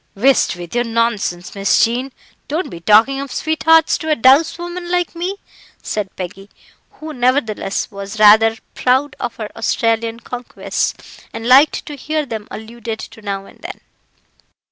"Whisht with your nonsense, Miss Jean; don't be talking of sweethearts to a douce woman like me," said Peggy, who, nevertheless was rather proud of her Australian conquests, and liked to hear them alluded to now and then.